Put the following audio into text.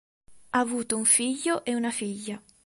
Ha avuto un figlio e una figlia.